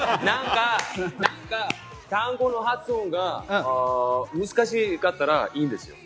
単語の発音が難しかったらいいんです。